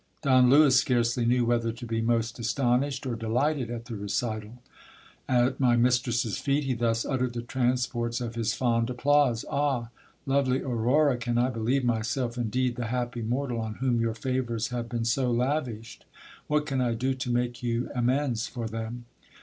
Don Lewis scarcely knew whether to be most astonished or delighted at the recital ; at my mistress's feet he thus uttered the transports of his fond applause — Ah ! lovely Aurora, can I believe myself indeed the happy mortal on whom your favours have been so lavished ? What can I do to make you amends for them